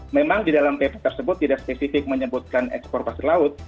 memang di dalam pp tersebut tidak spesifik menyebutkan ekspor pasir laut